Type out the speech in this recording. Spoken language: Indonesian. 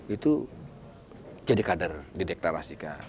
itu jadi kader di deklarasikan